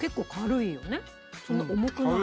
そんな重くない。